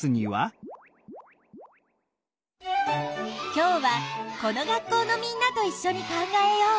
今日はこの学校のみんなといっしょに考えよう。